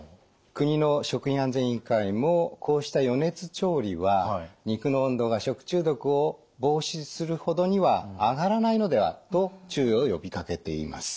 国の食品安全委員会もこうした余熱調理は肉の温度が食中毒を防止するほどには上がらないのではと注意を呼びかけています。